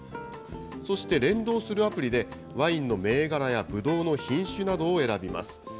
そして、連動するアプリで、ワインの銘柄やブドウの品種などを選びます。